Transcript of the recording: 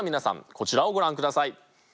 こちらをご覧ください。